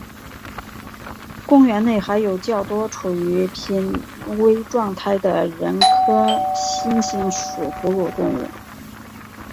公园内还有较多处于濒危状态的人科猩猩属哺乳动物。